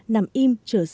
nằm im chờ dịch bệnh